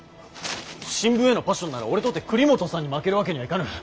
新聞へのパッションなら俺とて栗本さんに負けるわけにはいかぬ。